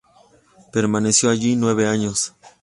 Permaneció allí nueve años.